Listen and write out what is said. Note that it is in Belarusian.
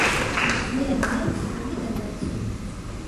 Не адняць, не дадаць.